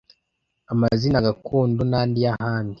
amazina gakondo nandi yahand